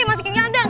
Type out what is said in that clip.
masukin ke adang